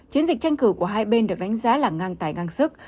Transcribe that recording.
chiến dịch tranh cử của hai bên được đánh giá là ngang tài ngang sức